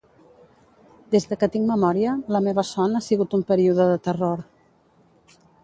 Des de que tinc memòria, la meva son ha sigut un període de terror.